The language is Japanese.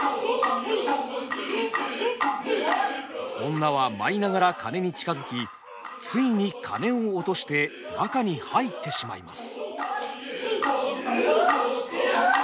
女は舞いながら鐘に近づきついに鐘を落として中に入ってしまいます。